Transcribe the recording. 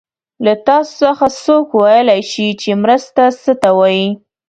له تاسو څخه څوک ویلای شي چې مرسته څه ته وايي؟